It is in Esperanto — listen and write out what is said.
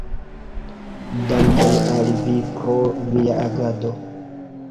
Dankon al vi pro via agado!